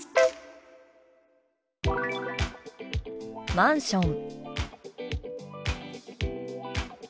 「マンション」。